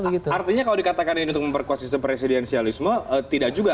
artinya kalau dikatakan ini untuk memperkuat sistem presidensialisme tidak juga